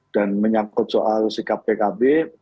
menyangkut soal sikap pkb